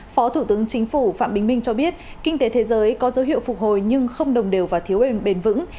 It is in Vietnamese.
phó thủ tướng chính phủ phạm bình minh cho biết kinh tế thế giới có dấu hiệu phục hồi nhưng không đồng đều và thiếu bền vững